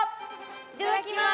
いただきます。